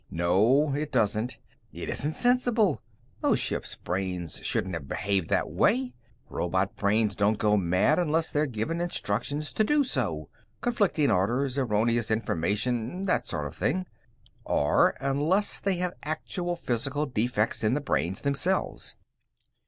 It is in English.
"No. It doesn't. It isn't sensible. Those ships' brains shouldn't have behaved that way. Robot brains don't go mad unless they're given instructions to do so conflicting orders, erroneous information, that sort of thing. Or, unless they have actual physical defects in the brains themselves."